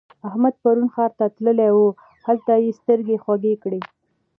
احمد پرون ښار ته تللی وو؛ هلته يې سترګې خوږې کړې.